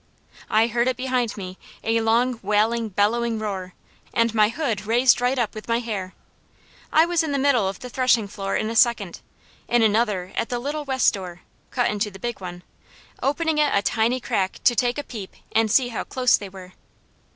I heard it behind me, a long, wailing, bellowing roar, and my hood raised right up with my hair. I was in the middle of the threshing floor in a second, in another at the little west door, cut into the big one, opening it a tiny crack to take a peep, and see how close they were.